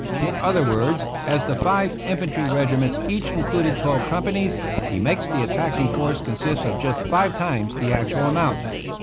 In other words, as the five infantry regi ments each included twelve companies, he makes the attacking force consist of just five times the actual amount.